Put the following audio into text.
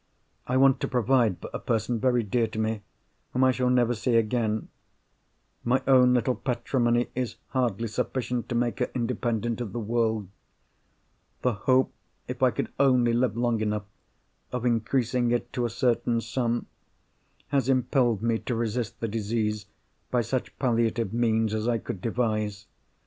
I want to provide for a person—very dear to me—whom I shall never see again. My own little patrimony is hardly sufficient to make her independent of the world. The hope, if I could only live long enough, of increasing it to a certain sum, has impelled me to resist the disease by such palliative means as I could devise.